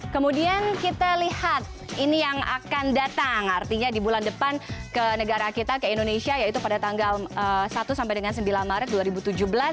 kemudian kita lihat ini yang akan datang artinya di bulan depan ke negara kita ke indonesia yaitu pada tanggal satu sampai dengan sembilan maret dua ribu tujuh belas